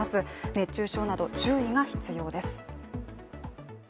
熱中症など、注意が必要です。